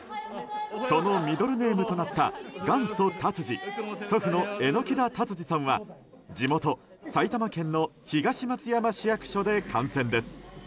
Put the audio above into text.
そのミドルネームとなった元祖タツジ祖父の榎田達治さんは地元・埼玉県の東松山市役所で観戦です。